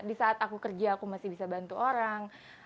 di saat aku kerja aku masih bisa bantu orang